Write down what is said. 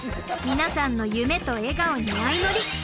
皆さんの夢と笑顔にあいのり。